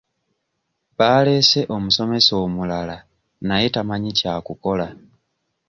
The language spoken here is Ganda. Baaleese omusomesa omulala naye tamanyi kyakukola.